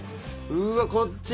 うわこっち